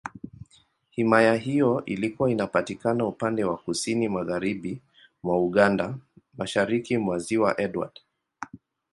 Himaya hiyo ilikuwa inapatikana upande wa Kusini Magharibi mwa Uganda, Mashariki mwa Ziwa Edward.